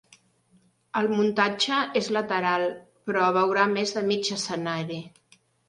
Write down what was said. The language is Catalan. El muntatge és lateral, però veurà més de mig escenari.